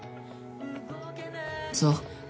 そう。